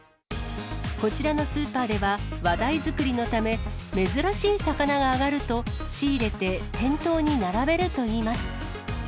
こちらのスーパーでは、話題作りのため、珍しい魚が揚がると、仕入れて店頭に並べるといいます。